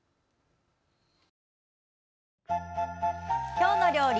「きょうの料理」